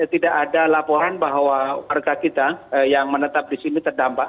tidak ada laporan bahwa warga kita yang menetap di sini terdampak